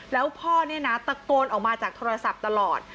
แล้วพ่อเนี่ยนะตะโกนออกมาจากโทรศัพท์ตลอด